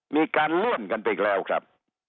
มีการเลื่อนกันไปอีกแล้วครับ